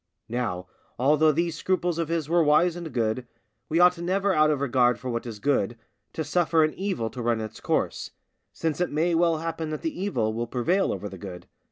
Now although these scruples of his were wise and good, we ought never out of regard for what is good, to suffer an evil to run its course, since it may well happen that the evil will prevail over the good.